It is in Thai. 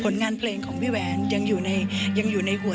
พี่ว่าความมีสปีริตของพี่แหวนเป็นตัวอย่างที่พี่จะนึกถึงเขาเสมอ